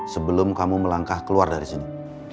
sebelum kamu melangkah keluar dari sini